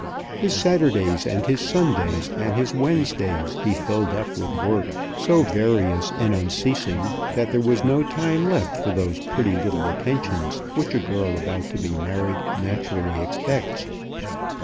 His Saturdays and his Sundays and his Wednesdays he filled up with work so various and unceasing that there was no time left for those pretty little attentions which a girl about to be married naturally expects.